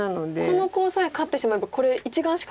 このコウさえ勝ってしまえばこれ１眼しかない。